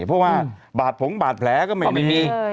เพราะว่าบาดผงบาดแผลก็ไม่มี